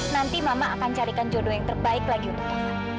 nanti mama akan carikan jodoh yang terbaik lagi untuk kita